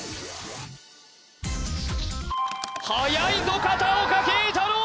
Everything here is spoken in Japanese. はやいぞ片岡桂太郎